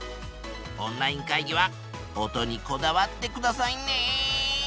オンライン会議は音にこだわってくださいね。